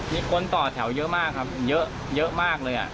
มีคนต่อแถวเยอะมากครับเยอะมากเลย